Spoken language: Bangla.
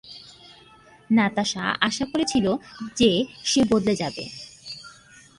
নাতাশা আশা করেছিল যে সে বদলে যাবে।